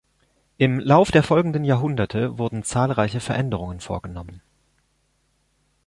Im Lauf der folgenden Jahrhunderte wurden zahlreiche Veränderungen vorgenommen.